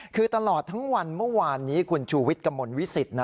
คือตลอดทั้งวันเมื่อวานนี้คุณชูวิทย์กระมวลวิสิต